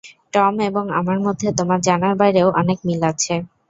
Tom এবং আমার মধ্যে তোমার জানার বাইরেও অনেক মিল আছে।